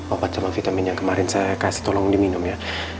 obat sama vitaminnya kemarin saya kasih tolong diminum ya